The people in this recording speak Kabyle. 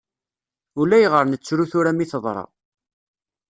Ulayɣer nettru tura mi teḍra.